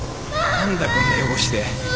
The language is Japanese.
・何だこんな汚して